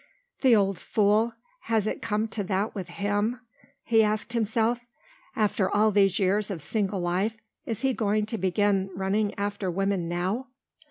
"The old fool, has it come to that with him?" he asked himself. "After all these years of single life is he going to begin running after women now?"